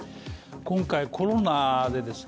今回コロナでですね